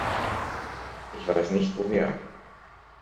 Ich weiß nicht woher.